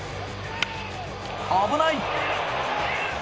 危ない！